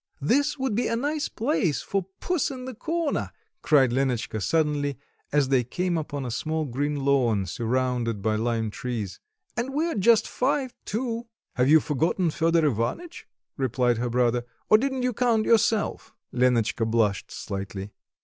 "This would be a nice place for Puss in the Corner," cried Lenotchka suddenly, as they came upon a small green lawn, surrounded by lime trees, "and we are just five, too." "Have you forgotten Fedor Ivanitch?" replied her brother,... "or didn't you count yourself?" Lenotchka blushed slightly.